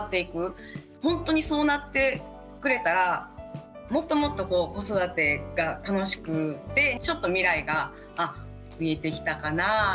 ほんとにそうなってくれたらもっともっと子育てが楽しくてちょっと未来が見えてきたかなぁと思うとうれしくなりました。